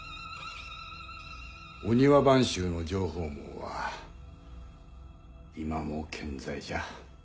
御庭番衆の情報網は今も健在じゃ。